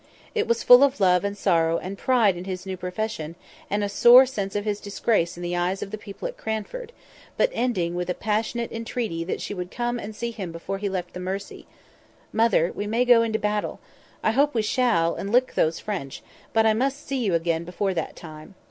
It was full of love, and sorrow, and pride in his new profession, and a sore sense of his disgrace in the eyes of the people at Cranford; but ending with a passionate entreaty that she would come and see him before he left the Mersey: "Mother; we may go into battle. I hope we shall, and lick those French: but I must see you again before that time."